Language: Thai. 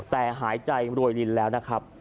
แต่หายใจรวยลินแล้วนะครับ